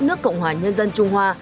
nước cộng hòa nhân dân trung hoa